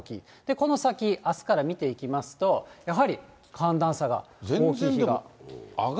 この先、あすから見ていきますと、やはり寒暖差が大きい日が。